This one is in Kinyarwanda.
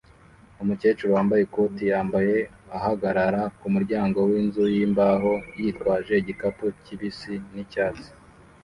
umukecuru wambaye ikoti yambara ahagarara kumuryango winzu yimbaho yitwaje igikapu kibisi nicyatsi